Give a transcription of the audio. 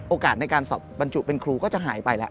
ในการสอบบรรจุเป็นครูก็จะหายไปแล้ว